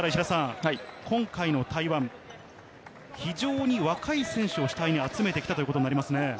今回の台湾、非常に若い選手を主体に集めてきたということですね。